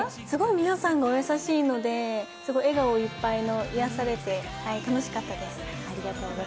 すごい皆さんがお優しいので、笑顔いっぱいで癒やされて楽しかったです。